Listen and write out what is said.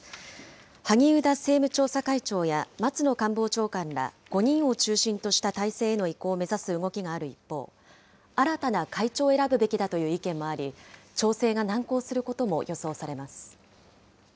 萩生田政務調査会長や松野官房長官ら５人を中心とした体制への移行を目指す動きがある一方、新たな会長を選ぶべきだという意見もあり、調整が難航することも予想されます。